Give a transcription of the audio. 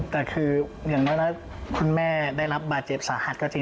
แต่คืออย่างน้อยแล้วคุณแม่ได้รับบาดเจ็บสาหัสก็จริง